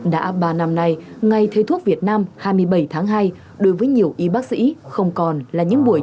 đã ba năm nay ngày thầy thuốc việt nam hai mươi bảy tháng hai đối với nhiều y bác sĩ không còn là những buổi